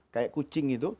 kayak kucing itu